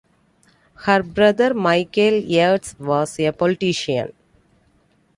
Her brother Michael Yeats was a politician.